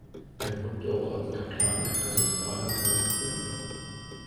Er wirkte auch als Kaplan der Kathedrale von Quimper.